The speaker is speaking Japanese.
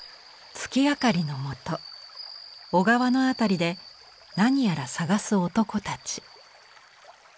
月明かりの下小川の辺りで何やら探す男たち。